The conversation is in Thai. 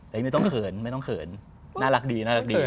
แต่อันนี้ไม่ต้องเขินน่ารักดี